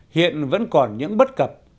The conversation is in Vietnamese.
hiện vẫn còn những bất cập